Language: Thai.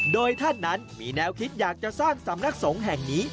โดยท่านนั้นมีแนวคิดอยากจะสร้างสำนักสงฆ์แห่งนี้